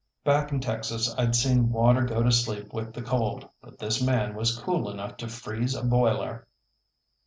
Back in Texas I'd seen water go to sleep with the cold, but this man was cool enough to freeze a boiler.